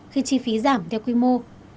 khi chi phí giảm theo quy mô